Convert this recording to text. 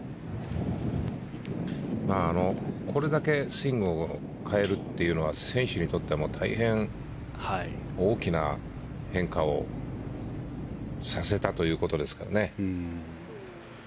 これだけスイングを変えるというのは選手にとっては大変大きな変化をさせたということですからね。